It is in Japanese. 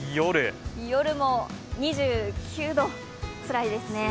夜も２９度つらいですね。